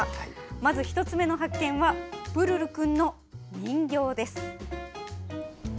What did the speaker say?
まず１つ目の発見はプルルくんの人形です。